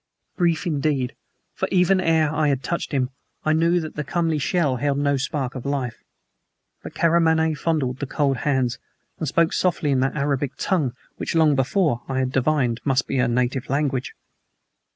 Brief, indeed, for even ere I had touched him I knew that the comely shell held no spark of life. But Karamaneh fondled the cold hands, and spoke softly in that Arabic tongue which long before I had divined must be her native language.